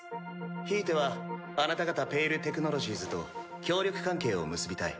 ひいてはあなた方「ペイル・テクノロジーズ」と協力関係を結びたい。